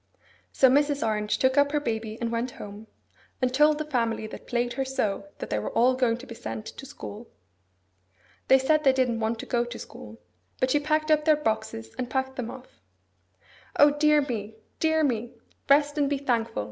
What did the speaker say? So Mrs. Orange took up her baby and went home, and told the family that plagued her so that they were all going to be sent to school. They said they didn't want to go to school; but she packed up their boxes, and packed them off. 'O dear me, dear me! Rest and be thankful!